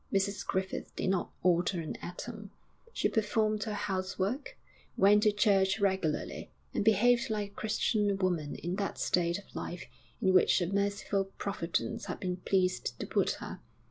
Mrs Griffith did not alter an atom; she performed her housework, went to church regularly, and behaved like a Christian woman in that state of life in which a merciful Providence had been pleased to put her.